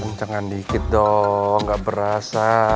kencengkan dikit dong gak berasa